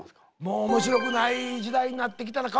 もう面白くない時代になってきたな。